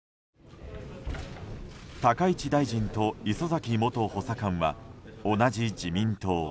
高市大臣と礒崎元補佐官は同じ自民党。